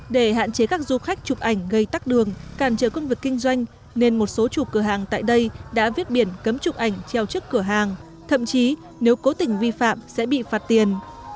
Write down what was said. để hạn chế các du khách chụp ảnh gây tắt đường càn trở công việc kinh doanh nên một số chủ cửa hàng tại đây đã viết biển cấm chụp ảnh treo trước cửa hàng thậm chí nếu cố tình vi phạm sẽ bị phạt tiền